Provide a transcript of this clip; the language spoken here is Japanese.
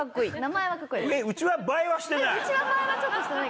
うちわ映えはしてない？